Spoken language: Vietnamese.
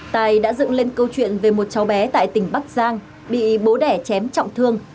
tài đã dựng lên câu chuyện về một cháu bé tại tỉnh bắc giang bị bố đẻ chém trọng thương